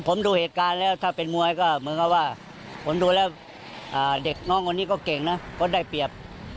ผมดูแล้วเด็กน้องคนนี้ก็เก่งนะก็ได้เปรียบ